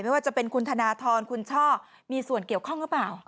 ไม่ว่าจะเป็นคุณธนทรคุณช่อมีส่วนเกี่ยวข้องหรือเปล่า